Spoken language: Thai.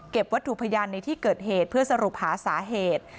วัตถุพยานในที่เกิดเหตุเพื่อสรุปหาสาเหตุ